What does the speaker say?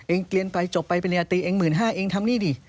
เองเรียนไปจบไปเป็นอาตีเอง๑๕๐๐๐เองทำนี่ดิ